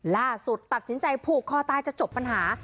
ล่าสุดตัดสินใจผูกคอตายจะจบปัญหา